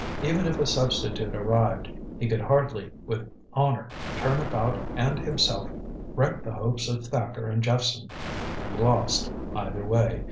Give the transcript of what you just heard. Even if a substitute arrived, he could hardly with honor turn about and himself wreck the hopes of Thacker and Jephson. He lost, either way.